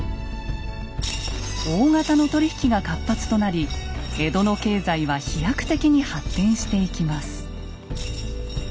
大型の取り引きが活発となり江戸の経済は飛躍的に発展していきます。